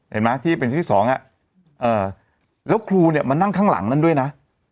เห็นไหมที่เป็นที่สองแล้วครูเนี่ยมานั่งข้างหลังนั้นด้วยนะ